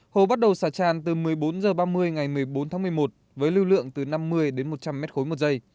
hồ bắt đầu xả tràn từ một mươi bốn h ba mươi ngày một mươi bốn tháng một mươi một với lưu lượng từ năm mươi đến một trăm linh m ba một giây